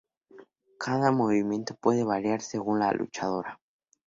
Cada movimiento puede variar según la luchadora.